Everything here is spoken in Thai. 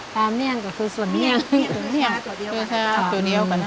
ป่าเมี่ยงก็คือส่วนเมี่ยง